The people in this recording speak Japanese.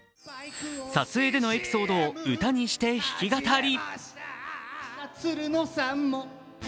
撮影でのエピソードを歌にして弾き語り。